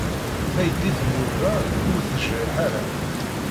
Taydit n Yuba ur tejriḥ ara.